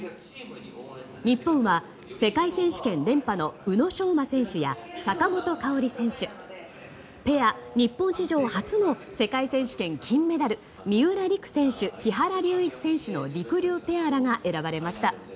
日本は世界選手権連覇の宇野昌磨選手や坂本花織選手ペア日本史上初の世界選手権金メダル三浦璃来選手、木原龍一選手のりくりゅうペアらが選ばれました。